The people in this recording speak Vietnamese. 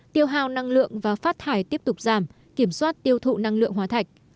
tiêu hào năng lượng và phát thải tiếp tục giảm kiểm soát tiêu thụ năng lượng hóa thạch